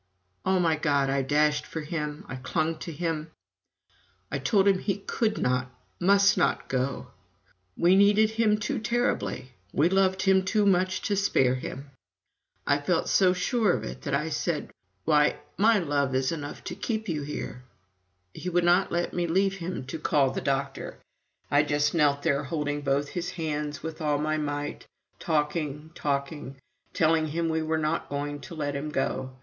O my God I dashed for him, I clung to him, I told him he could not, must not go we needed him too terribly, we loved him too much to spare him. I felt so sure of it, that I said: "Why, my love is enough to keep you here!" He would not let me leave him to call the doctor. I just knelt there holding both his hands with all my might, talking, talking, telling him we were not going to let him go.